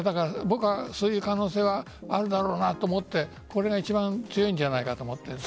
僕はそういう可能性はあるだろうと思ってこれが一番強いんじゃないかと思っている。